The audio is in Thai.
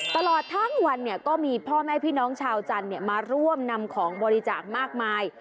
ตลอดทั้งวันเนี่ยก็มีพ่อแม่พี่น้องชาวจันทร์มาร่วมนำของบริจาคมากมาย